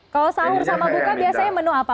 kalau sahur sama buka biasanya menu apa